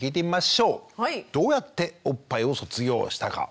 どうやっておっぱいを卒業したか？